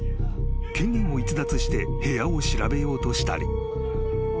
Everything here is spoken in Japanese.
［権限を逸脱して部屋を調べようとしたり］